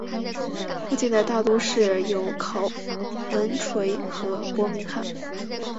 附近的大都市有考文垂和伯明翰。